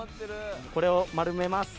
これを丸めます。